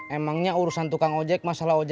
emangnya urusan tukang ojek masalah ojek